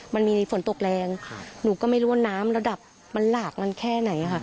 มันมีฝนตกแรงหนูก็ไม่รู้ว่าน้ำระดับมันหลากมันแค่ไหนค่ะ